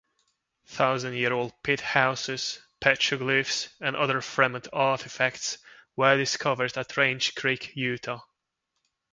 Thousand-year-old pit houses, petroglyphs, and other Fremont artifacts were discovered at Range Creek, Utah.